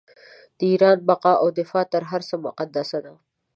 د ایران بقا او دفاع تر هر څه مقدمه ده.